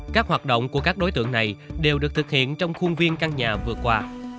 các hoạt động của các đối tượng này đều được thực hiện trong khuôn viên căn nhà vừa qua